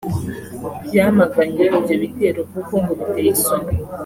yamganye ibyo bitero kuko ngo biteye isoni